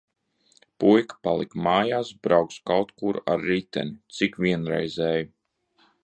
Puika palika mājās, brauks kaut kur ar riteni. Cik vienreizēji!